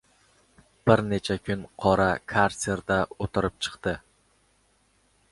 bir necha kun qora karserda oʻtirib chiqdi.